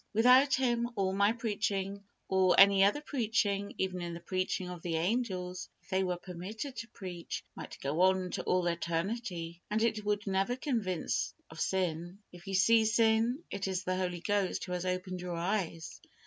Without Him, all my preaching, or any other preaching, even the preaching of the angels, if they were permitted to preach, might go on to all eternity, and it would never convince of sin. If you see sin, it is the Holy Ghost who has opened your eyes.